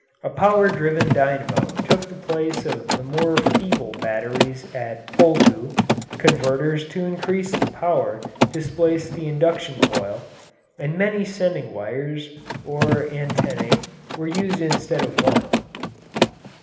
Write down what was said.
A power driven dynamo took the place of the more feeble batteries at Poldhu, converters to increase the power displaced the induction coil, and many sending wires, or antennae, were used instead of one.